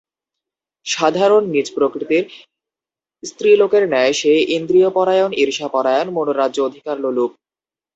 সাধারণ নীচ প্রকৃতির স্ত্রীলোকের ন্যায় সে ইন্দ্রিয়পরায়ণ, ঈর্ষাপরায়ণ, মনোরাজ্য-অধিকারলোলুপ।